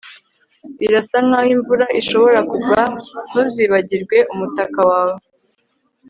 Birasa nkaho imvura ishobora kugwa ntuzibagirwe umutaka wawe